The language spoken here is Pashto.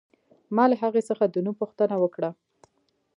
ما له هغې څخه د نوم پوښتنه وکړه